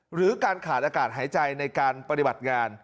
หรือการขาดอากาศหายใจในการปฏิบัติงาน